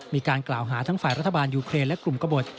มีการกล่าวหาทั้งฝ่ายรัฐบาลยูเครนและกลุ่มกระบด